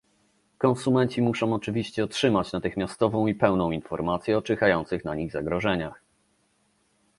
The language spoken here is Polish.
Konsumenci muszą oczywiście otrzymać natychmiastową i pełną informację o czyhających na nich zagrożeniach